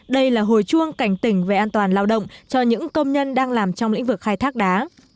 đây là hồi chuông cảnh tỉnh về an toàn lao động cho những công nhân đang làm trong lĩnh vực khai thác đá